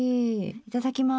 いただきます。